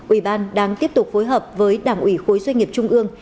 ubnd đang tiếp tục phối hợp với đảng ủy khối doanh nghiệp trung ương